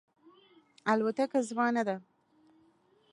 الوتکه زما نه ده